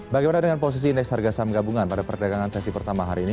bagaimana dengan posisi indeks harga saham gabungan pada perdagangan sesi pertama hari ini